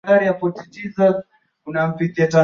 liverpool ni hayo tu katika rfi mchezo jioni hii ya leo